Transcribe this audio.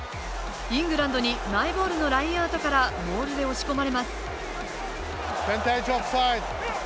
イングランドにマイボールのラインアウトからモールで押し込まれます。